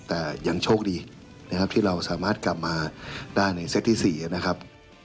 แต่ยังโชคดีนะครับที่เราสามารถกลับมาได้ในเซตที่๔นะครับ